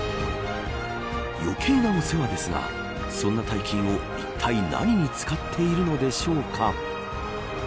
余計なお世話ですがそんな大金を、いったい何に使っているのでしょうか。